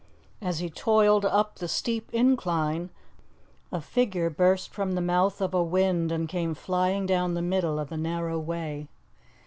As he toiled up the steep incline, a figure burst from the mouth of a wynd and came flying down the middle of the narrow way.